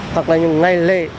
hoặc là ngày lễ